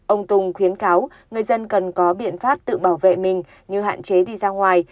ông tùng khuyến cáo người dân cần có biện pháp tự bảo vệ mình như hạn chế đi ra ngoài